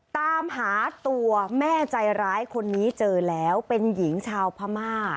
ตามหาตัวแม่ใจร้ายคนนี้เจอแล้วเป็นหญิงชาวพม่า